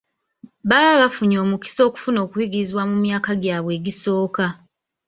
Baba bafunye omukisa okufuna okuyigirizibwa mu myaka gyabwe egisooka.